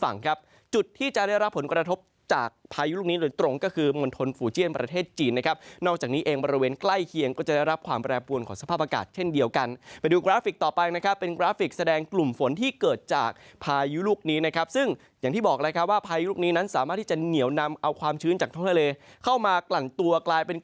งดทนฝูเจียนประเทศจีนนะครับนอกจากนี้เองบริเวณใกล้เคียงก็จะได้รับความแปรปวนของสภาพอากาศเช่นเดียวกันไปดูกราฟิกต่อไปนะครับเป็นกราฟิกแสดงกลุ่มฝนที่เกิดจากพายุลูกนี้นะครับซึ่งอย่างที่บอกเลยครับว่าพายุลูกนี้นั้นสามารถที่จะเหนียวนำเอาความชื้นจากทะเลเข้ามากลั่นตัวกลายเป็นก